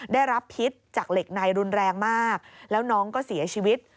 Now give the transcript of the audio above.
ได้รับพิษจากเหล็กในรุนแรงมากแล้วน้องก็เสียชีวิต